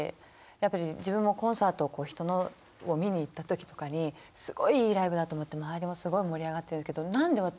やっぱり自分もコンサート人のを見に行った時とかにすごいいいライブだと思って周りもすごい盛り上がってるけどなんで私